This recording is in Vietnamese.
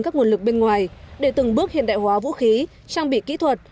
các nguồn lực bên ngoài để từng bước hiện đại hóa vũ khí trang bị kỹ thuật